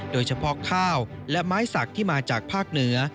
โดยเฉพาะข้าวและไม้สักที่มาจากภาคเหนือ